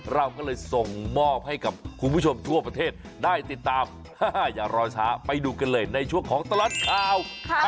เราก็เลยส่งมอบให้กับคุณผู้ชมทั่วประเทศได้ติดตามอย่ารอช้าไปดูกันเลยในช่วงของตลอดข่าว